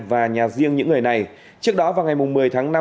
và nhà riêng những người này trước đó vào ngày một mươi tháng năm